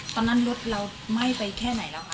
ตอนนั้นรถเราไหม้ไปแค่ไหนแล้วคะ